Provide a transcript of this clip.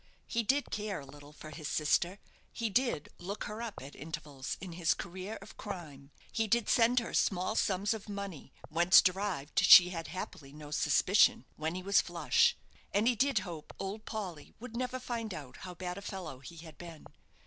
He did care a little for his sister; he did "look her up" at intervals in his career of crime; he did send her small sums of money whence derived she had, happily, no suspicion when he was "flush;" and he did hope "Old Polly" would never find out how bad a fellow he had been.